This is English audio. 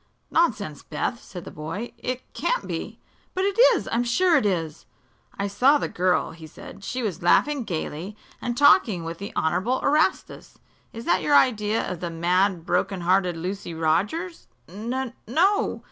"Nonsense, Beth," said the boy. "It can't be." "But it is. I'm sure it is!" "I saw the girl," he said. "She was laughing gaily and talking with the Honorable Erastus. Is that your idea of the mad, broken hearted Lucy Rogers?" "N no.